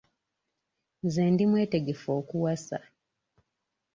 Nze ndi mwetegefu okuwasa.